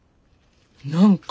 何か？